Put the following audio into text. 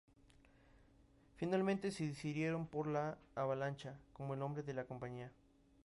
Finalmente se decidieron por "Avalancha" como el nombre de la compañía.